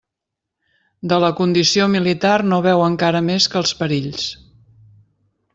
De la condició militar no veu encara més que els perills.